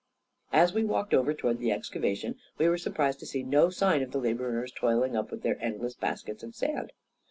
As we walked over toward the excavation, we were surprised to see no sign of the laborers toiling up with their endless baskets of sand.